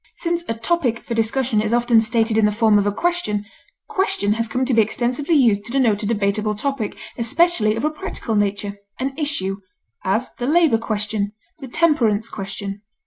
Since a topic for discussion is often stated in the form of a question, question has come to be extensively used to denote a debatable topic, especially of a practical nature an issue; as, the labor question; the temperance question.